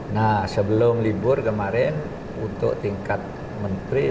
nah sebelum libur kemarin untuk tingkat menteri